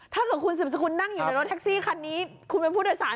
ถ้าหรอกคุณสมัยคุณนั่งในรถแท็กซี่คันนี้คุณเป็นผู้โดยสาร